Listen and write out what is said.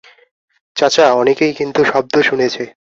চাচা, অনেকেই কিন্তু শব্দ শুনেছে।